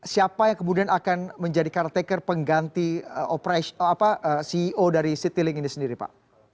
siapa yang kemudian akan menjadi car taker pengganti ceo dari citilink ini sendiri pak